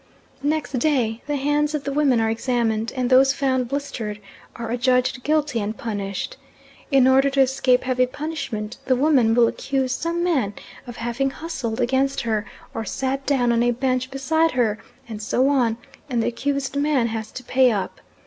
Next day, the hands of the women are examined, and those found blistered are adjudged guilty, and punished. In order to escape heavy punishment the woman will accuse some man of having hustled against her, or sat down on a bench beside her, and so on, and the accused man has to pay up.